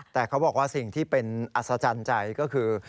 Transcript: แต่เขาบอกว่าสิ่งที่เป็นอัศจรรย์ใจก็คือ